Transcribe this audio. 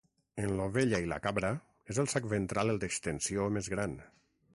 En l'ovella i la cabra és el sac ventral el d'extensió més gran.